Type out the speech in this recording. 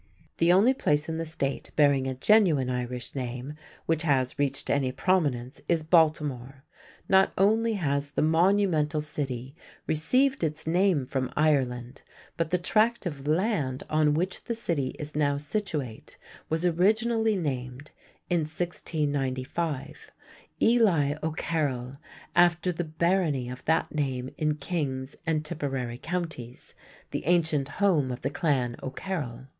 The only place in the State bearing a genuine Irish name which has reached any prominence is Baltimore. Not alone has the "Monumental City" received its name from Ireland, but the tract of land on which the city is now situate was originally named (in 1695) "Ely O'Carroll," after the barony of that name in King's and Tipperary counties, the ancient home of the Clan O'Carroll.